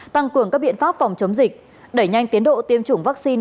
tăng cường các biện pháp phòng chống dịch đẩy nhanh tiến độ tiêm chủng vaccine